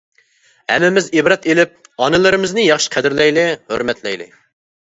ھەممىمىز ئىبرەت ئېلىپ ئانىلىرىمىزنى ياخشى قەدىرلەيلى، ھۆرمەتلەيلى.